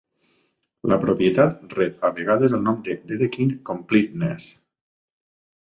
La propietat rep a vegades el nom de "Dedekind completeness".